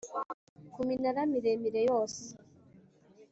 ku minara miremire yose